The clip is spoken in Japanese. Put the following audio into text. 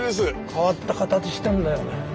変わった形してんだよね。